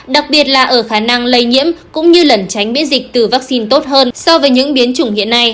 đặc biệt là ở khả năng lây nhiễm cũng như lần tránh biến dịch từ vaccine tốt hơn so với những biến chủng hiện nay